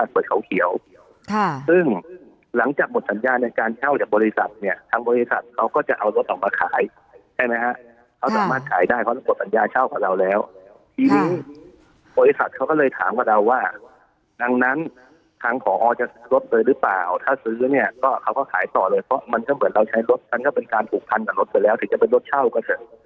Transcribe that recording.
เปิดเขาเขียวค่ะซึ่งหลังจากหมดสัญญาณในการเช่าจากบริษัทเนี้ยทางบริษัทเขาก็จะเอารถออกมาขายใช่ไหมฮะเขาสามารถขายได้เพราะว่าสัญญาณเช่ากับเราแล้วค่ะทีนึงบริษัทเขาก็เลยถามกับเราว่าดังนั้นทางของอ๋อจะซื้อรถเลยหรือเปล่าถ้าซื้อเนี้ยก็เขาก็ขายต่อเลยเพราะมันก็เหมือนเราใช้รถกันก็